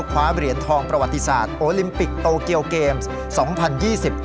คว้าเหรียญทองประวัติศาสตร์โอลิมปิกโตเกียวเกมซ์๒๐๒๐